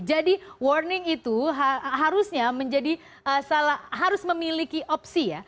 jadi warning itu harusnya menjadi salah harus memiliki opsi ya